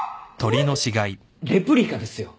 レプリカですよ。